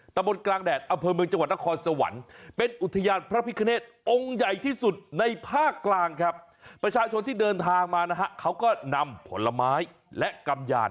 ตะบนกลางแดดอเผินเมืองจังหวัดตะคอนสวรรค์